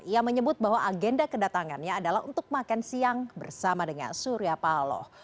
ia menyebut bahwa agenda kedatangannya adalah untuk makan siang bersama dengan surya paloh